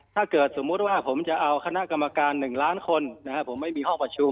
ถ้าเกิดสมมุติว่าผมจะเอาคณะกรรมการ๑ล้านคนผมไม่มีห้องประชุม